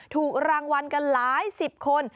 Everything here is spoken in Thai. ถูกรางวัลกันหลายสิบคน